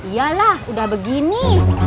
iya lah udah begini